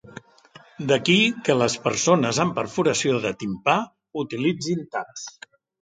D'aquí que les persones amb perforació de timpà utilitzin taps.